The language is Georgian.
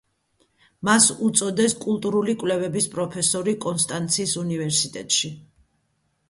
მას უწოდეს კულტურული კვლევების პროფესორი კონსტანცის უნივერსიტეტში.